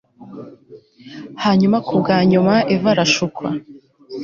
Hanyuma kubwa nyuma Eva arashukwa